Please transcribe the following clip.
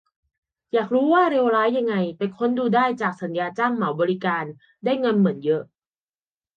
อยากรู้ว่าเลวร้ายยังไง ไปค้นดูได้จาก "สัญญาจ้างเหมาบริการ" ได้เงินเหมือนเยอะ